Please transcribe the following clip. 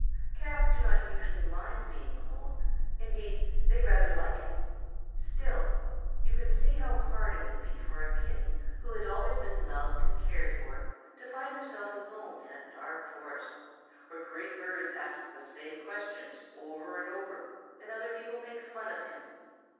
Cats do not usually mind being alone. Indeed, they rather like it; still, you can see how hard it would be for a Kitten who had always been loved and cared for to find himself alone in a dark forest, where great birds ask the same questions over and over, and other people make fun of him.